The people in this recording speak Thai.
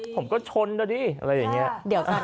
ผมก็ชนตรงนี้อะไรอย่างนี้